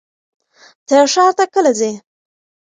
ته ښار ته کله ځې؟